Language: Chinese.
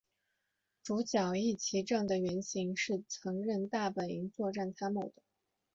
主角壹岐正的原型是曾任大本营作战参谋的。